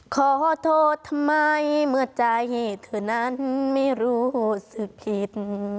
ขอโทษทำไมเมื่อใจเธอนั้นไม่รู้สึกผิด